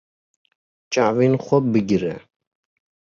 Çavên xwe bigire.